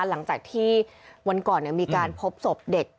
หลังจากที่วันก่อนมีการพบศพเด็ก